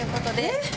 えっ？